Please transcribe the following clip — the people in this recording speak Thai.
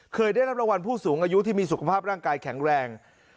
เคยได้รับรางวัลผู้สูงอายุที่มีสุขภาพร่างกายแข็งแรง